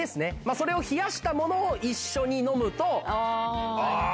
それを冷やしたものを一緒に飲むと。